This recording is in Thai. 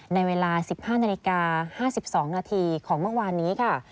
ในเวลา๑๕นาฬิกา๕๒นาทีของเมื่อวานนี้ค่ะ